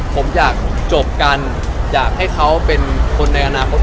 ผมอยากจบกันอยากให้เขาเป็นคนในอนาคต